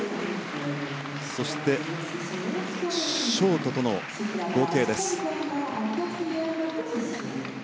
そしてショートとの合計です。